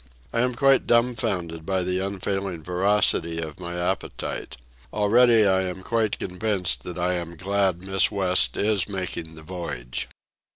I am quite dumbfounded by the unfailing voracity of my appetite. Already am I quite convinced that I am glad Miss West is making the voyage.